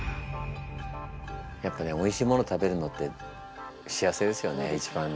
やっぱねおいしいもの食べるのって幸せですよね一番ね。